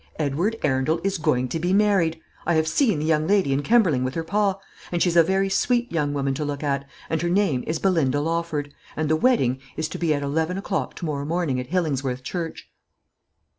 "Edward Arundel is going to be married. I have seen the young lady in Kemberling with her pa; and she's a very sweet young woman to look at; and her name is Belinda Lawford; and the wedding is to be at eleven o'clock to morrow morning at Hillingsworth church."